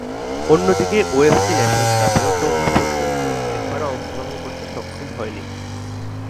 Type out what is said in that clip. অন্যদিকে, OFC nations কাপেও Tonga এপর্যন্ত একবারও অংশগ্রহণ করতে সক্ষম হয়নি।